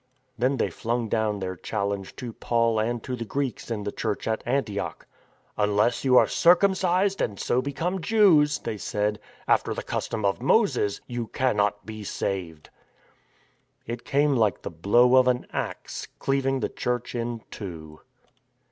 Then they flung down their challenge to Paul and to the Greeks in the Church at Antioch, " Unless you are circumcised and so become Jews," they said, " after the custom of Moses, you cannot be saved." It came like the blow of an axe, cleaving the Church in two.